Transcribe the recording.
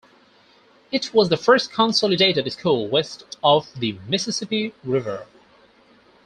It was the first consolidated school west of the Mississippi River.